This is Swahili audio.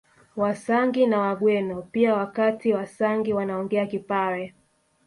Wasangi na Wagweno pia Wakati Wasangi wanaongea Kipare